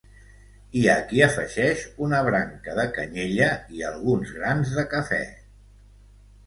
Hi ha qui afegeix una branca de canyella i alguns grans de cafè.